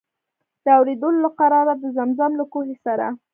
د اورېدلو له قراره د زمزم له کوهي سره.